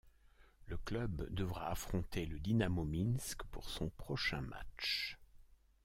Le club devra affronter le Dynamo Minsk pour son prochain match.